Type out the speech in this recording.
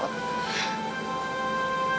nanti aku balik